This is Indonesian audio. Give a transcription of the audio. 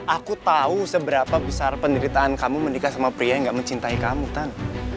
aku tahu seberapa besar penderitaan kamu menikah sama pria yang gak mencintai kamu tan